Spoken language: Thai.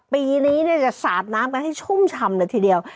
ปีนี้เนี่ยจะสาดน้ำกันให้ชุ่มชำหนึ่งทีเดียว